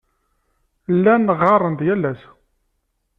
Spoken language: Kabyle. Llan ɣɣaren-d yal ass.